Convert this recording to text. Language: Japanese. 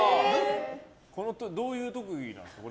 どういう特技なんですか？